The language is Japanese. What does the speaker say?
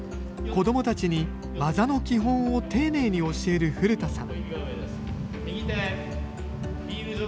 子どもたちに技の基本を丁寧に教える古田さん。